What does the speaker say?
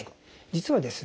実はですね